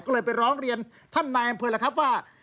ก็เลยไปร้องเรียนท่านนายอำเภอแล้วครับว่า